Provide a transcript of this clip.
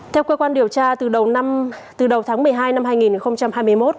theo cơ quan điều tra từ đầu tháng một mươi hai năm hai nghìn hai mươi một